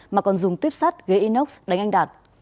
mà còn dùng tuyếp sắt ghế inox đánh anh đạt